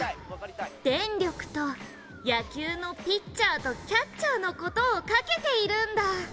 「電力と野球のピッチャーとキャッチャーの事をかけているんだ！」